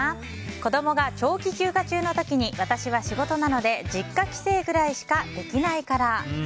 子供が長期休暇中の時私は仕事中なので実家帰省ぐらいしかできないから。